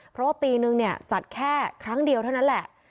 เพราะว่าปีนึงเนี่ยจัดแค่ครั้งเดียวเท่านั้นแหละ